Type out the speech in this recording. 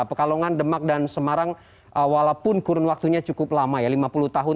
pekalongan demak dan semarang walaupun kurun waktunya cukup lama ya lima puluh tahun